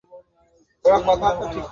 তাই আমি তার উপর নির্যাতন করেছি।